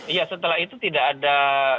iya setelah itu tidak ada